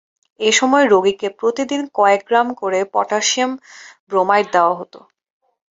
এসময় রোগীকে প্রতিদিন কয়েক গ্রাম করে পটাসিয়াম ব্রোমাইড দেওয়া হত।